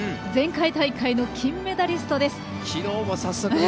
前回大会の金メダリストです。